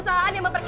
ya luomba besar eh